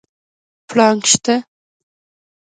پړانګ شته؟